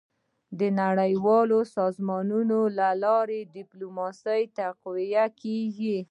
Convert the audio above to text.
. د نړیوالو سازمانونو له لارې ډيپلوماسي تقویه کېږي.